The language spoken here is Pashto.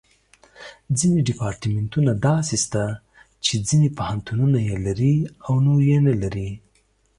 ځینې ډیپارټمنټونه داسې شته چې ځینې پوهنتونونه یې لري او نور یې نه لري.